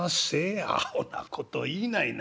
「アホなこと言いないな。